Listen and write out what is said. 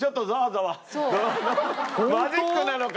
マジックなのか